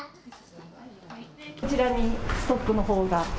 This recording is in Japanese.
こちらにストックのほうが。